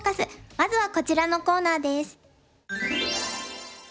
まずはこちらのコーナーです。